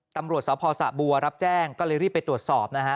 ตำรวจสพสะบัวรับแจ้งก็เลยรีบไปตรวจสอบนะฮะ